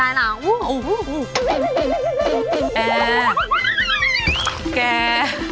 แยน